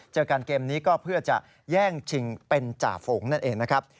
เจอกันเกมนี้ก็เพื่อจะแย่งชิงเป็นจ่าฝูงนั่นเองนะครับ